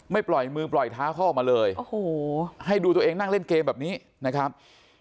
ปล่อยมือปล่อยเท้าเขาออกมาเลยโอ้โหให้ดูตัวเองนั่งเล่นเกมแบบนี้นะครับ